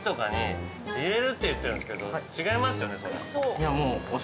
いやもう。